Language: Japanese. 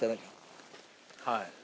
はい。